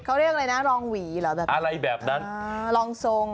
เขาเรียกอะไรนะรองหวีเหรอแบบนี้อ่ารองทรงหวีเหรออะไรแบบนั้น